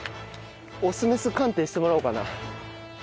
オスメス鑑定してもらおうかな。